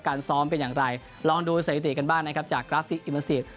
ซ้อมเป็นอย่างไรลองดูสถิติกันบ้างนะครับจากกราฟิกอิเมอร์ซีฟ